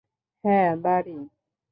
হ্যাঁ, বাড়ি।